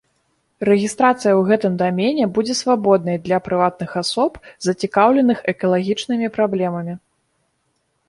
Рэгістрацыя ў гэтым дамене будзе свабоднай для прыватных асоб, зацікаўленых экалагічнымі праблемамі.